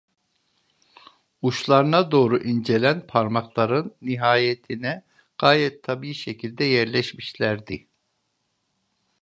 Uçlarına doğru incelen parmakların nihayetine gayet tabii şekilde yerleşmişlerdi.